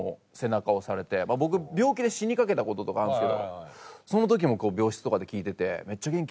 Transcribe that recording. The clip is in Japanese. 僕病気で死にかけた事とかあるんですけどその時も病室とかで聴いてて。